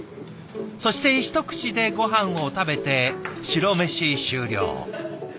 そして一口でごはんを食べて白飯終了。